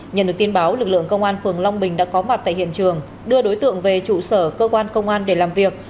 nhận được tin báo lực lượng công an phường long bình đã có mặt tại hiện trường đưa đối tượng về trụ sở cơ quan công an để làm việc